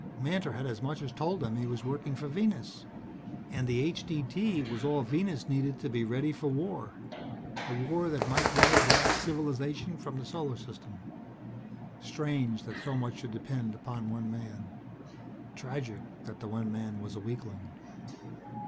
Mantor had as much as told them he was working for Venus. And the H.D.T. was all Venus needed to be ready for war a war that might well blast civilization from the Solar System. Strange that so much should depend upon one man; tragic that the one man was a weakling.